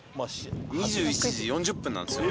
２１時４０分なんですよ。